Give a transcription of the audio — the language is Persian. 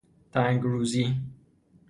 تنگ روزی